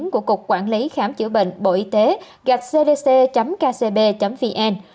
của cục quản lý khám chữa bệnh bộ y tế gạch cdc kcb vn